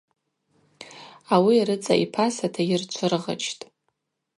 Ауи рыцӏа йпасата йырчвыргъычтӏ.